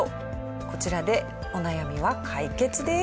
こちらでお悩みは解決です。